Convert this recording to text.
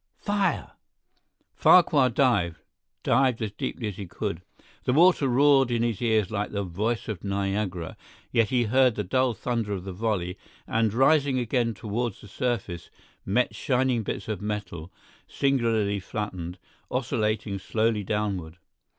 … Fire!" Farquhar dived—dived as deeply as he could. The water roared in his ears like the voice of Niagara, yet he heard the dull thunder of the volley and, rising again toward the surface, met shining bits of metal, singularly flattened, oscillating slowly downward.